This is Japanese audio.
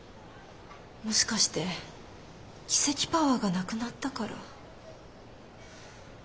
もしかしてキセキパワーがなくなったから？